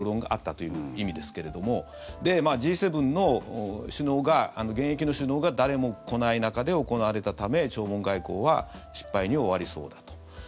これは要するに賛否両論があったという意味ですけれどもＧ７の現役の首脳が誰も来ない中で行われたため弔問外交は失敗に終わりそうだと。